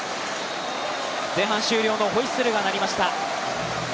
前半終了のホイッスルが鳴りました。